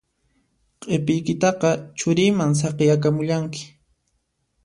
Q'ipiykitaqa churiyman saqiyakamullanki